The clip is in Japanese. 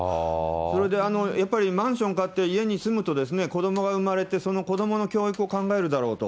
それでやっぱりマンション買って、家に住むと、子どもが生まれて、その子どもの教育を考えるだろうと。